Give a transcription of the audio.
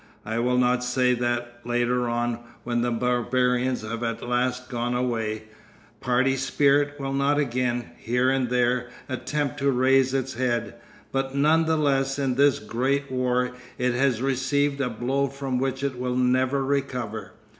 I will not say that later on, when the barbarians have at last gone away, party spirit will not again, here and there, attempt to raise its head. But none the less in this great war it has received a blow from which it will never recover.